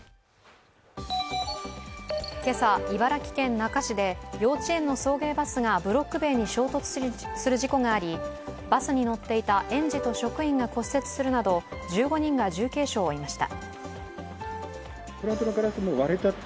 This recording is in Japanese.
今朝、茨城県那珂市で幼稚園の送迎バスがブロック塀に衝突する事故があり、バスに乗っていた園児と職員が骨折するなど１５人が重軽傷を負いました。